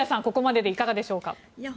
ここまででいかがでしょうか？